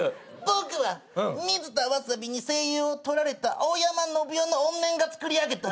「僕は水田わさびに声優を取られた大山のぶ代の怨念がつくりあげた」